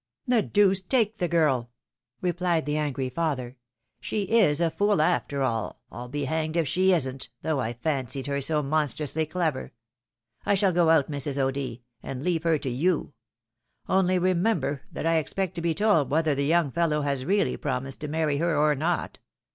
" The deuce take the girl !" replied the angry father. " She is a fool after all, I'll be hanged if she isn't, though I fancied her so monstrously clever. I shall go out, Sirs. O'D., and leave her to you ; only remember that I expect to be told whether the young fellow has really promised to marry her or not.